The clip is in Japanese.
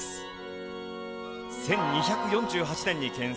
１２４８年に建設。